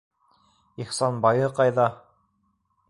Ихсанбайы ҡайҙа?